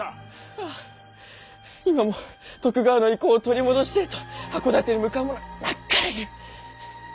あぁ今も徳川の威光を取り戻してぇと箱館に向かう者がなっからいる。